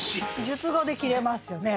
述語で切れますよね。